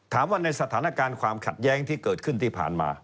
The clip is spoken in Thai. ในสถานการณ์ความขัดแย้งที่เกิดขึ้นที่ผ่านมา